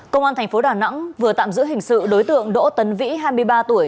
công an thành phố đà nẵng vừa tạm giữ hình sự đối tượng đỗ tấn vĩ hai mươi ba tuổi